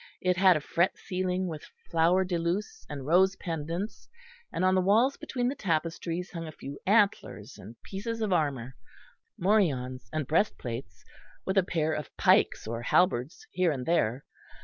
It had a fret ceiling, with flower de luce and rose pendants, and on the walls between the tapestries hung a few antlers and pieces of armour, morions and breast plates, with a pair of pikes or halberds here and there.